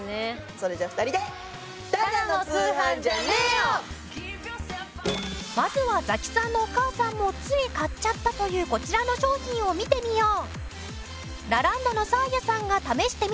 それじゃあ２人でまずはザキさんのお母さんもつい買っちゃったというこちらの商品を見てみよう。